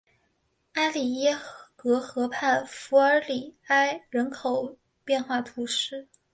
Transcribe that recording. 阿里耶格河畔弗尔里埃人口变化图示